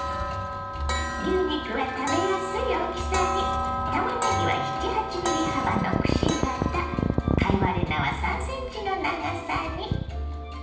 牛肉は食べやすい大きさにたまねぎは７８ｍｍ幅のくし形貝割れ菜は３ｃｍの長さに。